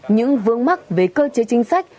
những vương mắc về cơ chế chính sách